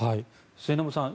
末延さん